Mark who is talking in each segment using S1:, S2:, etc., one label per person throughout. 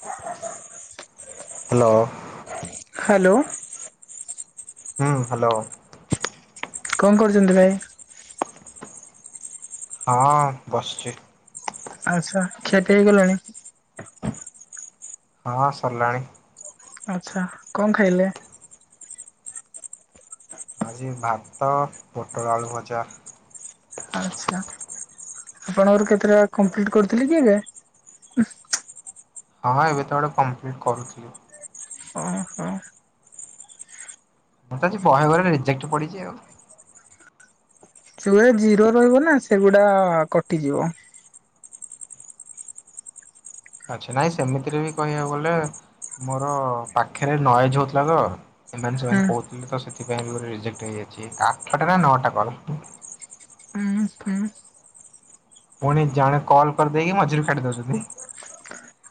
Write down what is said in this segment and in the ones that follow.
S1: [inaudible]
S2: Hello
S1: hello
S2: ହୁଁ hello
S1: କଣ କରୁଛନ୍ତି ଭାଇ?
S2: ହଁ ବସିଛି।
S1: ଆଚ୍ଛା ଖିଆ ପିଆ ହେଇଗଲାଣି?
S2: ହଁ ସରିଲାଣି।
S1: ଆଛା କଣ ଖାଇଲେ?
S2: ଆଜି ଭାତ ପୋଟଳ ଆଳୁ ଭଜା।
S1: ଆଛା ଆପଣଙ୍କର କେତେଟା କମ୍ପ୍ଲିଟ କରୁଥିଲି କି ଏବେ
S2: ହଁ ଏବେ ତ ଗୋଟେ କମ୍ପ୍ଲିଟ୍ କରୁଥିଲି।
S1: ଓ ହଁ।
S2: ମୁଁ ବହେ ଘରେ ରିଜେକ୍ଟ ପଡ଼ିଛି ଆଉ।
S1: ଯୋଉ ଗୁରା ଜିରୋ ରହିବ ନା ସେଗୁଡା କଟିଯିବ।
S2: ଆଚ୍ଛା ନାଇଁ ସେମିତିରେ ବି କହିବାକୁ ଗଲେ। ମୋର ପାଖରେ ନଏଜ ହଉଥିଲା ତ ଏମାନେ
S1: ହୁଁ
S2: ସେମାନେ କହୁଥିଲେ ତ ସେଥିପାଇଁ ବି ଗୋଟେ ରିଜେକ୍ଟ ହେଇଯାଇଛି। ଆଠଟା ନା ନଅଟା କଲ।
S1: ଉଁ ହୁଁ।
S2: ପୁଣି ଜଣେ କଲ୍ କରିଦେଇକି ମଝିରୁ କାଟି ଦଉଛନ୍ତି।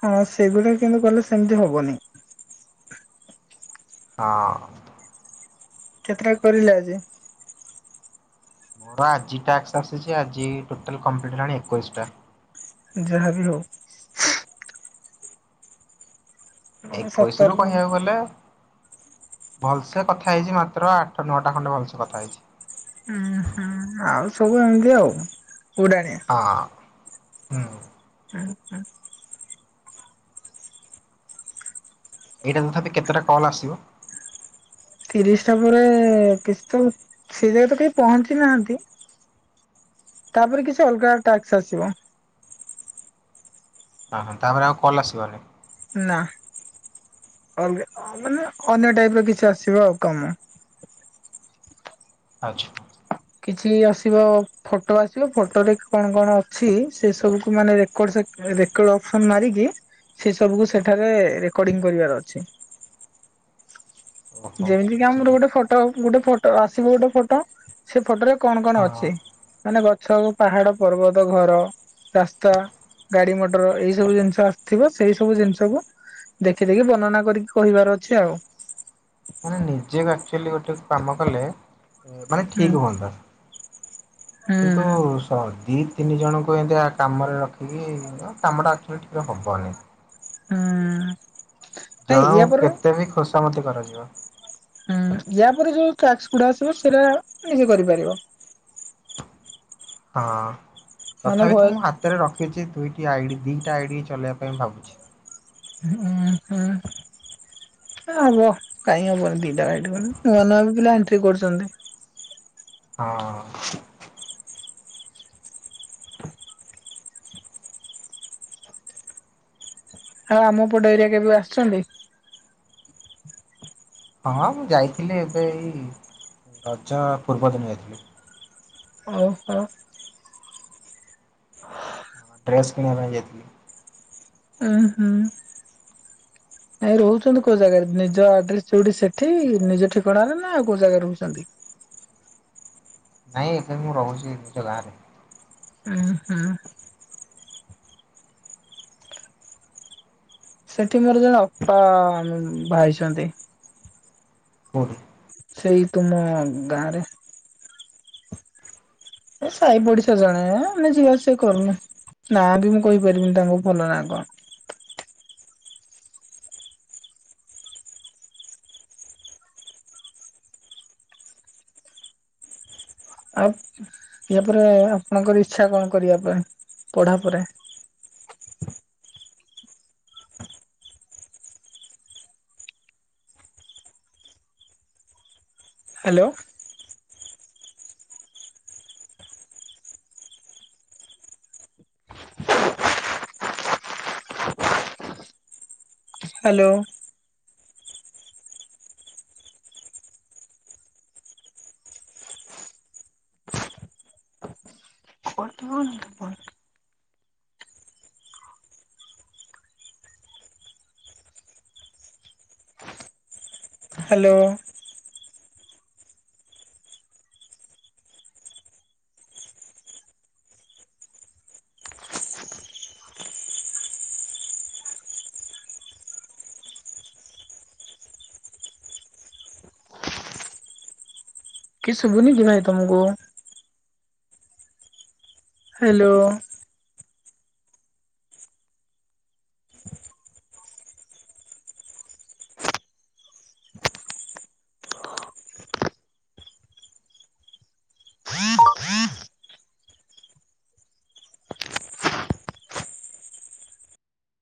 S1: ହଁ ସେଗୁଡା କିନ୍ତୁ କଲେ ସେମିତି ହବନି।
S2: ହଁ।
S1: କେତେଟା କରିଲେ ଆଜି?
S2: ମୋର ଆଜି ଟାକ୍ସ ଆସିଚି ଆଜି ଟୋଟାଲ କମ୍ପ୍ଲିଟ୍ ହେଲାଣି ଏକୋଇଶ ଟା।
S1: ଯାହା ବିି ହଉ। ମୋର ସତର
S2: ଏକୋଇଶିରୁ
S1: ଉଁ
S2: କହିବାକୁ ଗଲେ। ଭଲସେ କଥା ହେଇଚି ମାତ୍ର ଆଠ ନଅଟା ଖଣ୍ଡେ ଭଲସେ କଥା ହେଇଛି।
S1: ଉଁ ହୁଁ। ଆଉ ସବୁ ଏମିତି ଆଉ ଉଡାଣିଆ।
S2: ହଁ ହୁଁ।
S1: ହୁଁ ହୁଁ।
S2: ଏଇଟା ତଥାପି କେତେଟା କଲ୍ ଆସିବ?
S1: ତିରିଶ ଟା ପରେ କିଛି ତ ସେ ଜାଏ ତ କେହି ପହଞ୍ଚି ନାହାନ୍ତି। ତାପରେ କିଛି ଅଲଗା ଟାସ୍କ ଆସିବ।
S2: ହଁ ହଁ ତାପରେ ଆଉ କଲ୍ ଆସିବନି।
S1: ନା ଅଲଗା ମାନେ ଅନ୍ୟ ଟାଇପ ର କିଛି ଆସିବ ଆଉ କାମ।
S2: ଆଚ୍ଛା।
S1: କିଛି ଆସିବ ଫଟୋ ଆସିବ ଫଟୋରେ କଣ କଣ ଅଛି ସେ ସବୁକୁ ମାନେ ରେକଡସ ରେକଡ୍ ଅପସନ୍ ମାରିକି ସେ ସବୁ କୁ ସେଠାରେ ରେକଡିଙ୍ଗ କରିବାର ଅଛି।
S2: ଓହୋ
S1: ଯେମିତି କି ଆମର
S2: ବୁଝିଲି।
S1: ଗୋଟେ ଫଟୋ ଗୋଟେ ଫଟୋ ଆସିବ ଗୋଟେ ଫଟୋ ସେ ଫଟୋ ରେ କଣ କଣ
S2: ହଁ
S1: ଅଛି? ମାନେ ଗଛ ଆଉ ପାହାଡ, ପର୍ବତ, ଘର, ରାସ୍ତା। ଗାଡି ମଟର ଏଇ ସବୁ ଜିନିଷ ଆସିଥିବ ସେଇ ସବୁ ଜିନିଷକୁ ଦେଖି ଦେଖି ବର୍ଣ୍ଣନା କରିକି କହିବାର ଅଛି ଆଉ।
S2: ମାନେ ନିଜେ ଆକ୍ଚୁଆଲି ଗୋଟେ କାମ କଲେ ମାନେ
S1: ହୁଁ
S2: ଠିକ୍ ହୁଅନ୍ତା।
S1: ହୁଁ
S2: କିନ୍ତୁ ସହ ଦି ତିନି ଜଣଙ୍କୁ ଏମିତିଆ କାମରେ ରଖିକି କାମଟା ଆକ୍ଚୁଆଲି ଟିକେ ହବନି।
S1: ହୁଁ ନାଇଁ ୟା
S2: ଜଣକୁ
S1: ପରେ
S2: କେତେ ବି ଖୋସାମତି କରାଯିବ।
S1: ହୁଁ ୟା ପରେ ଯୋଉ ଟ୍ୟାକ୍ସ ଗୁଡା ଆସିବ ସେଇରା ନିଜେ କରିପାରିବ।
S2: ହଁ
S1: ମାନେ
S2: ତଥାପି ତ
S1: ଭଏସ
S2: ମୁଁ ହାତରେ ରଖିଚି ଦୁଇଟି ଆଇଡି ଦିଇଟା ଆଇଡ଼ି ଚଲେଇବା ପାଇଁ ଭାବୁଛି।
S1: ହୁଁ ହୁଁ ହୁଁ। ଏ ହବ କାଇଁ ହବନି ଦିଟା ଆଇଡି ନୂଆ ନୂଆ ବି ପିଲା ଏଣ୍ଟ୍ରି କରୁଚନ୍ତି।
S2: ହଁ।
S1: ଆଉ ଆମ ପଟ ଏରିଆ କେବେ ଆସିଚନ୍ତି?
S2: ହଁ ମୁଁ ଯାଇଥିଲି ଏବେ ଏଇ ରଜ ପୂର୍ବ ଦିନ ଯାଇଥିଲି।
S1: ଓହୋ।
S2: ଡ୍ରେସ କିଣିବା ପାଇଁ ଯାଇଥିଲି।
S1: ଉଁ ହୁଁ। ଆଉ ରହୁଚନ୍ତି କୋଉ ଜାଗାରେ ନିଜ ଆଡ୍ରେସ ଯୋଉଠି ସେଠି ନିଜ ଠିକଣାରେ ନା ଆଉ କୋଉ ଜାଗାରେ ରହୁଚନ୍ତି?
S2: ନାଇଁ ଏବେ ମୁଁ ରହୁଚି ନିଜ ଗାଁରେ।
S1: ଉଁ ହୁଁ। ସେଠି ମୋର ଜଣେ ଅପା ଭାଇଚନ୍ତି।
S2: କୋଉଠି?
S1: ସେଇ ତୁମ ଗାଁ ରେ। ଏ ସାଇ ପଡିଶା ଜଣେ ଆମେ ଯିବା ଆସିବା କରୁନା। ନାଁ ବି ମୁଁ କହିପାରିବିନି ତାଙ୍କ ଭଲ ନାଁ କଣ? ଆଉ ୟା ପରେ ଆପଣଙ୍କର ଇଛା କଣ କରିବା ପାଇଁ ପଢା ପରେ? ହାଲୋ। ହାଲୋ। ହଁ [unintelligible] ହାଲୋ। କି ଶୁଭୁନି କି ଭାଇ ତମକୁ? ହ୍ୟାଲୋ।